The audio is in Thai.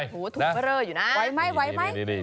ถูกเมลิเตอร์อยู่นะไหวไหม